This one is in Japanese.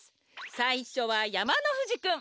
さいしょはやまのふじくん。